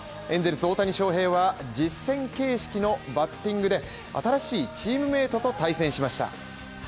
エンゼルス・大谷翔平は実戦形式のバッティングで、新しいチームメイトと対戦しました。